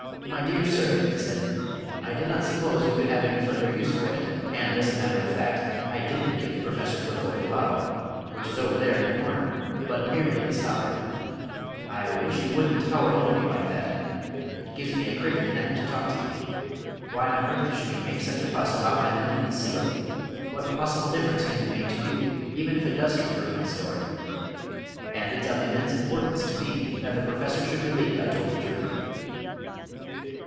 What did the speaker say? "My dear sir," he said, "I did not suppose you could have any further use for it. And, as a matter of fact, I didn't give Professor Futvoye the bottle which is over there in the corner but merely the stopper. I wish you wouldn't tower over me like that it gives me a crick in the neck to talk to you. Why on earth should you make such a fuss about my lending the seal; what possible difference can it make to you even if it does confirm my story? And it's of immense importance to me that the Professor should believe I told the truth."